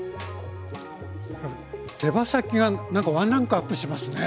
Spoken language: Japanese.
手羽先がなんかワンランクアップしますね。